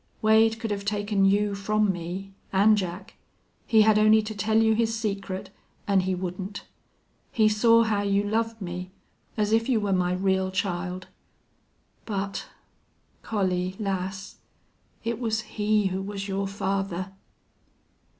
Wade could have taken you from me an' Jack. He had only to tell you his secret, an' he wouldn't. He saw how you loved me, as if you were my real child.... But. Collie, lass, it was he who was your father!"